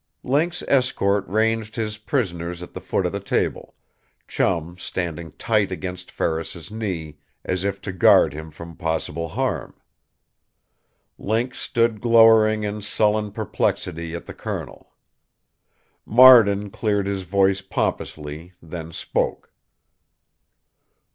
Link's escort ranged his prisoners at the foot of the table; Chum standing tight against Ferris's knee, as if to guard him from possible harm. Link stood glowering in sullen perplexity at the Colonel. Marden cleared his voice pompously, then spoke.